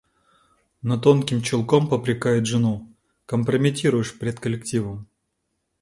Но тонким чулком попрекает жену: – Компрометируешь пред коллективом.